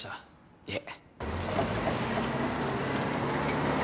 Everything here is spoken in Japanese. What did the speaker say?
いえ。